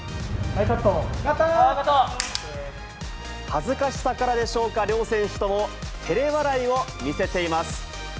恥ずかしさからでしょうか、両選手とも、てれ笑いを見せています。